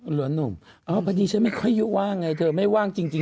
หรอหนุ่มอ้าวพอดีฉันไม่ค่อยดีว่าไงไม่ว่างจริง